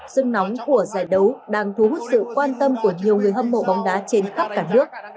sưng nóng của giải đấu đang thu hút sự quan tâm của nhiều người hâm mộ bóng đá trên khắp cả nước